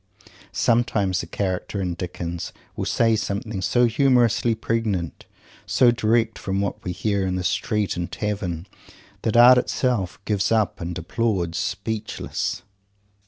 Sometimes a character in Dickens will say something so humorously pregnant, so directly from what we hear in street and tavern, that art itself "gives up," and applauds, speechless.